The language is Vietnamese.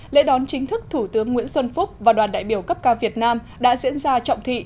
lễ đón chính thức thủ tướng nguyễn xuân phúc và đoàn đại biểu cấp cao việt nam đã diễn ra trọng thị